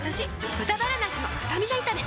「豚バラなすのスタミナ炒め」